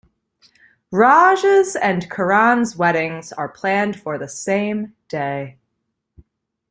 Raj's and Karan's weddings are planned for the same day.